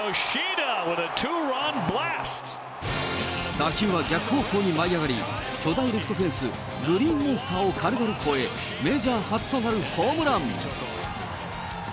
打球は逆方向に舞い上がり、巨大レフトフェンス、グリーンモンスターを軽々越え、メジャー初となるホームラン。